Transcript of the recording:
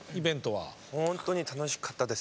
本当に楽しかったです。